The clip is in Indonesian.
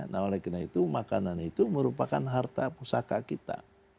nah oleh karena itu makanan itu merupakan harta pusaka kita